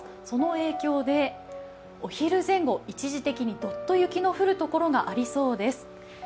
その影響でお昼前後、一時的にどっと雪の降るところがありそうです。